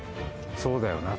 「そうだよな」。